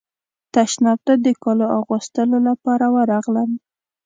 تشناب ته د کالو اغوستلو لپاره ورغلم.